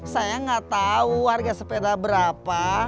saya gak tau harga sepeda berapa